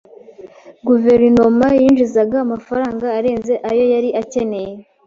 Guverinoma yinjizaga amafaranga arenze ayo yari akeneye. .